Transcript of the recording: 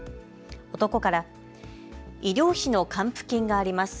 男から医療費の還付金があります。